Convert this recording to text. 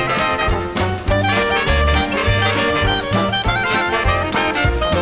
โปรดติดตามต่อไป